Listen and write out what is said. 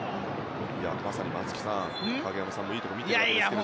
まさに松木さん影山さんもいいところを見ていますが。